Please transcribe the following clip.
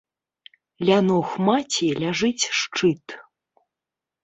Ля ног маці ляжыць шчыт.